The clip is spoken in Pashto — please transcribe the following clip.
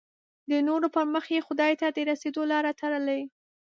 د نورو پر مخ یې خدای ته د رسېدو لاره تړلې.